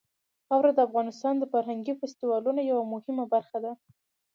خاوره د افغانستان د فرهنګي فستیوالونو یوه مهمه برخه ده.